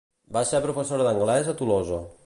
Va ser professora d'anglès a Tolosa.